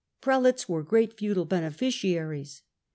Prelates were great_fendal beneficiaries.